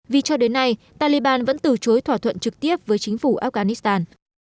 vì cho đến nay taliban vẫn từ chối thỏa thuận trực tiếp với chính phủ afghanistan